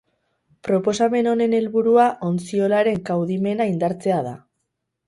Proposamen honen helburua ontziolaren kaudimena indartzea da.